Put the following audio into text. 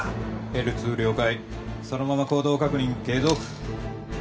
Ｌ２了解そのまま行動確認継続